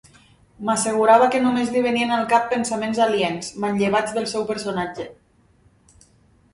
M'assegurava que només li venien al cap pensaments aliens, manllevats del seu personatge.